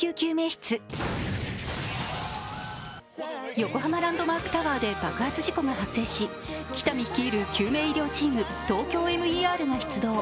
横浜ランドマークタワーで爆発事故が発生し喜多見率いる救命医療チームＴＯＫＹＯＭＥＲが出動。